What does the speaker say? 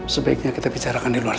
sebaiknya kita bicarakan di luar